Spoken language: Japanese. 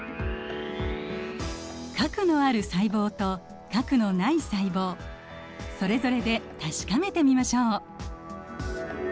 核のある細胞と核のない細胞それぞれで確かめてみましょう。